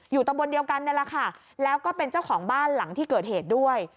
ตำบลเดียวกันนี่แหละค่ะแล้วก็เป็นเจ้าของบ้านหลังที่เกิดเหตุด้วย